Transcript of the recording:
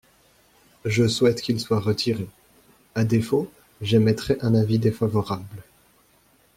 Je souhaite qu’il soit retiré ; à défaut, j’émettrai un avis défavorable.